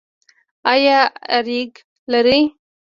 ایا اریګی لرئ؟